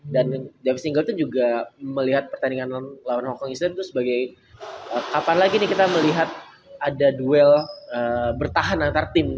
dan defense team juga melihat pertandingan lawan hongkong easter itu sebagai kapan lagi nih kita melihat ada duel bertahan antar tim